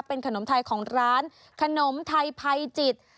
เป็นขนมไทยของร้านขนมไทยภัยจิต